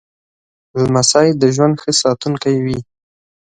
لمسی د ژوند ښه ساتونکی وي.